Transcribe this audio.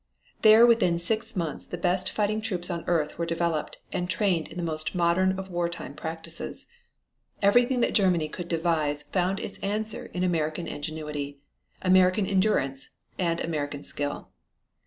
There within six months the best fighting troops on earth were developed and trained in the most modern of war time practices. Everything that Germany could devise found its answer in American ingenuity, American endurance and American skill.